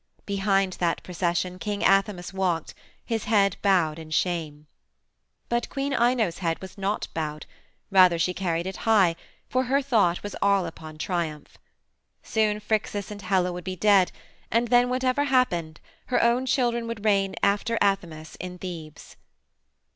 Behind that procession King Athamas walked, his head bowed in shame. "But Queen Ino's head was not bowed; rather she carried it high, for her thought was all upon her triumph. Soon Phrixus and Helle would be dead, and then, whatever happened, her own children would reign after Athamas in Thebes.